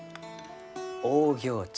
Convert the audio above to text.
オーギョーチ。